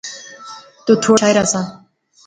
تو تھوڑا نکا مشاعرہ سا